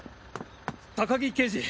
高木刑事！